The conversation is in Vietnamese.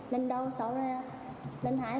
lần đầu sau lần hai